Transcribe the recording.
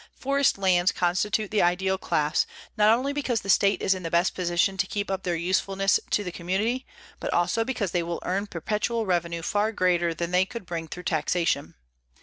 Forest lands constitute the ideal class, not only because the state is in the best position to keep up their usefulness to the community, but also because they will earn perpetual revenue far greater than they could bring through taxation.